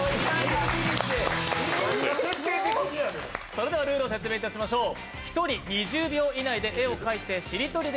それではルールを説明いたしましょう。